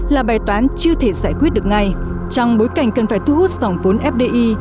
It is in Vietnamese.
là bài toán chưa thể giải quyết được ngay trong bối cảnh cần phải thu hút dòng vốn fdi